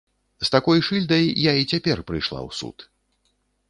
З такой шыльдай я і цяпер прыйшла ў суд.